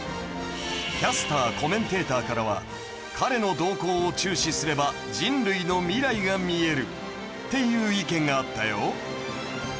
キャスター・コメンテーターからは彼の動向を注視すれば人類の未来が見えるっていう意見があったよ。